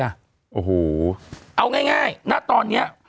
แล้วอย่างง่ายตอนเนี้ย